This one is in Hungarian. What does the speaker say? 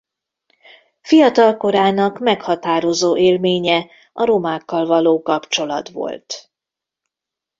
Fiatalkorának meghatározó élménye a romákkal való kapcsolat volt.